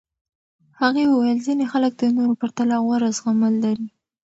هغې وویل ځینې خلک د نورو پرتله غوره زغمل لري.